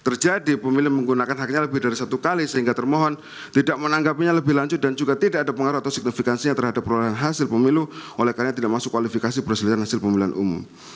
terjadi pemilih menggunakan haknya lebih dari satu kali sehingga termohon tidak menanggapinya lebih lanjut dan juga tidak ada pengaruh atau signifikansinya terhadap hasil pemilu oleh karena tidak masuk kualifikasi perselisihan hasil pemilihan umum